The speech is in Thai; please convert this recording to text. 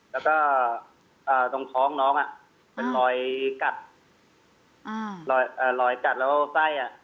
แล้วก็ตรงท้องน้องอ่ะเป็นรอยกัดรอยกัดแล้วไส้อ่ะ